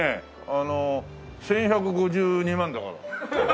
あの１４５２万だから。